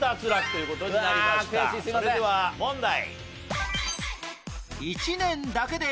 それでは問題。